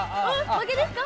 負けですか？